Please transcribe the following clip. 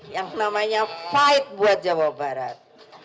yang namanya fight buat jawa barat